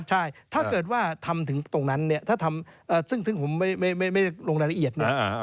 ใช่ถ้าเกิดว่าทำถึงตรงนั้นเนี่ยถ้าทำซึ่งผมไม่ลงรายละเอียดเนี่ย